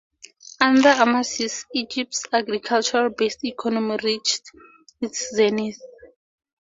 Under Amasis, Egypt's agricultural based economy reached its zenith.